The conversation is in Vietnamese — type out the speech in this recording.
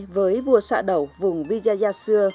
với vua xạ đầu vương phi mỹ ê